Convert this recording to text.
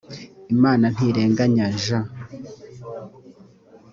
imanantirenganya jean